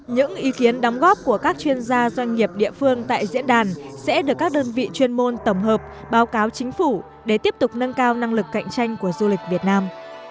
những ý kiến đóng góp của các chuyên gia doanh nghiệp địa phương tại diễn đàn sẽ được các đơn vị chuyên môn tổng hợp báo cáo chính phủ để tiếp tục nâng cao năng lực cạnh tranh của du lịch việt nam